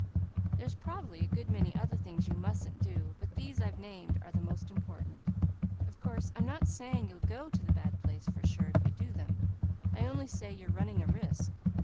There's prob'ly a good many other things you mustn't do, but these I've named are the most important. Of course, I'm not saying you'll go to the bad place for sure if you do them. I only say you're running a risk.